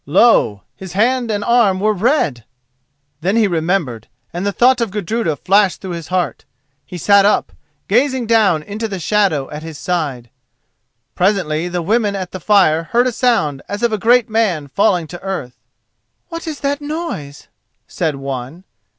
Lo! his hand and arm were red! Then he remembered, and the thought of Gudruda flashed through his heart. He sat up, gazing down into the shadow at his side. Presently the women at the fire heard a sound as of a great man falling to earth. "What is that noise?" said one.